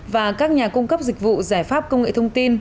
và các nhà cung cấp dịch vụ giải pháp công nghệ thông tin